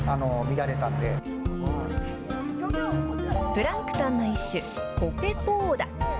プランクトンの一種、コペポーダ。